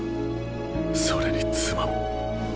それに妻も。